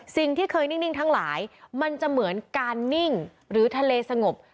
สิ่งที่เคยนิ่งทั้งหลายมันจะเหมือนการนิ่งหรือทะเลสงบ